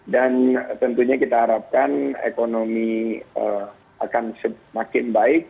dan tentunya kita harapkan ekonomi akan semakin baik